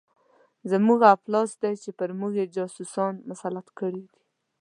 زموږ افلاس دی چې پر موږ یې جاسوسان مسلط کړي دي.